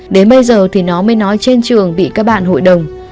đến bây giờ thì nó mới nói trên trường bị các bạn hội đồng